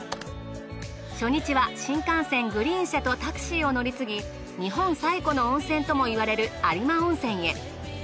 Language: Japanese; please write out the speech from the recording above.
初日は新幹線グリーン車とタクシーを乗り継ぎ日本最古の温泉とも言われる有馬温泉へ。